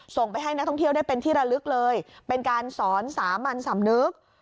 ส่งไปให้นักท่องเที่ยวได้เป็นที่ระลึกเลยเป็นการสอนสามัญสำนึก